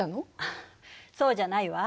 そうじゃないわ。